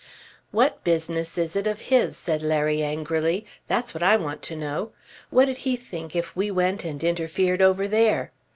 "What business is it of his?" said Larry angrily. "That's what I want to know. What'd he think if we went and interfered over there?